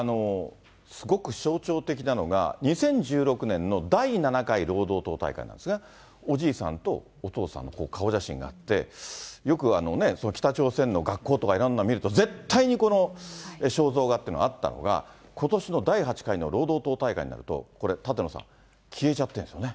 すごく象徴的なのが、２０１６年の第７回労働党大会なんですが、おじいさんとお父さんの顔写真があって、よく北朝鮮の学校とかいろんなの見ると、絶対に、この肖像画っていうのがあったのが、ことしの第８回の労働党大会になると、これ、舘野さん、消えちゃってるんですよね。